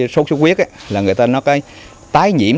số xuất huyết là người ta nói cái tái nhiễm